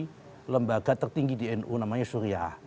ketua komisi fatwa di lembaga tertinggi di nu namanya surya